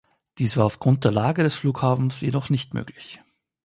Dies war aufgrund der Lage des Flughafens jedoch nicht möglich.